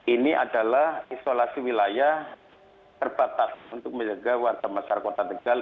ini adalah isolasi wilayah terbatas untuk menjaga warga masyarakat kota tegal